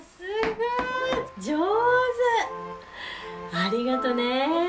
ありがとね。